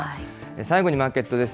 最後にマーケットです。